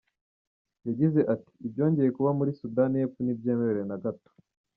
Yagize ati “Ibyongeye kuba muri Sudani y’Epfo ntibyemewe na gato.